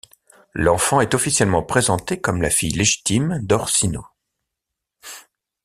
L'enfant est officiellement présentée comme la fille légitime d'Orsino.